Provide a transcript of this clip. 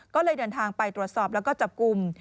ก็เลยเดินทางไปตรวจสอบแล้วก็จับกลุ่ม